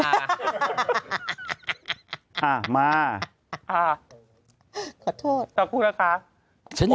อ่ะมาขอโทษขอบคุณค่ะ